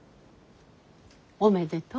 おめでとう。